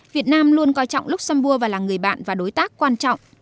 việt nam luôn coi trọng luxembourg và là người bạn và đối tác quan trọng